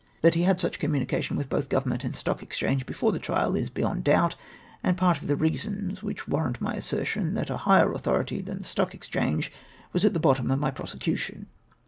That he had such communication with both CTOvernment and Stock Exchange, before the trial, is beyond doubt, and part of the reasons which warrant my assertion, that a higher autho rity than the Stock Exchange was at the bottom of my prosecution.